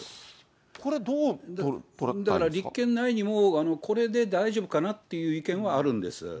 これ、だから立憲内にも、これで大丈夫かなという意見はあるんです。